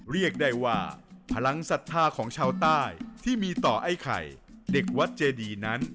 เรียกได้ว่าพลังศรัทธาของชาวใต้ที่มีต่อไอ้ไข่เด็กวัดเจดีนั้น